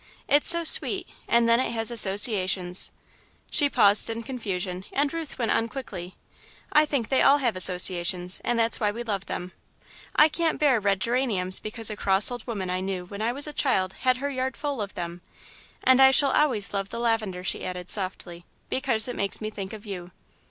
It's so sweet, and then it has associations " She paused, in confusion, and Ruth went on, quickly: "I think they all have associations, and that's why we love them. I can't bear red geraniums because a cross old woman I knew when I was a child had her yard full of them, and I shall always love the lavender," she added, softly, "because it makes me think of you."